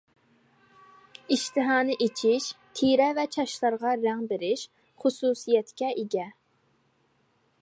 ئىشتىھانى ئېچىش، تېرە ۋە چاچلارغا رەڭ بېرىش خۇسۇسىيەتكە ئىگە.